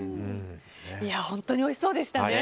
本当においしそうでしたね。